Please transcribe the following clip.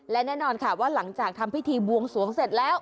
และแน่นอนค่ะว่าหลังจากทำพิธีบวงสวงเสร็จแล้ว